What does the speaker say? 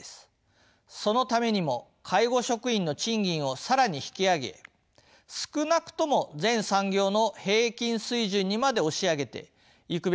そのためにも介護職員の賃金を更に引き上げ少なくとも全産業の平均水準にまで押し上げていくべきでしょう。